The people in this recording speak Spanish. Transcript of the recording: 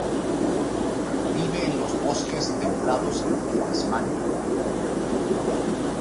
Vive en los bosques templados de Tasmania.